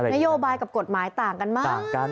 นโยบายกับกฎหมายต่างกันมาก